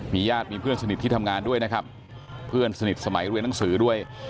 ญาติมีเพื่อนสนิทที่ทำงานด้วยนะครับเพื่อนสนิทสมัยเรียนหนังสือด้วย